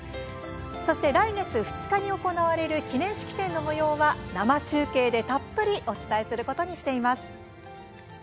そして、来月２日に行われる記念式典のもようは生中継でたっぷりお伝えすることにしています。